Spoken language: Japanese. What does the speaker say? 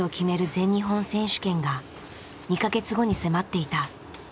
全日本選手権が２か月後に迫っていた。